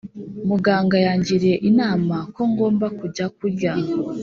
muganga yangiriye inama ko ngomba kujya kurya.